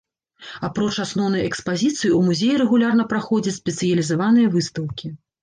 Апроч асноўнай экспазіцыі ў музеі рэгулярна праходзяць спецыялізаваныя выстаўкі.